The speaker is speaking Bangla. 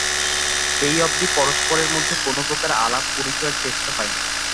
সেই অবধি পরস্পরের মধ্যে কোনোপ্রকার আলাপ-পরিচয়ের চেষ্টা হয় নাই।